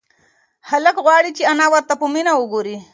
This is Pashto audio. هلک غواړي چې انا ورته په مینه وگوري.